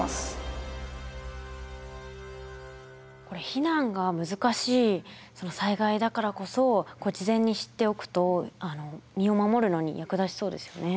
避難が難しい災害だからこそ事前に知っておくと身を守るのに役立ちそうですよね。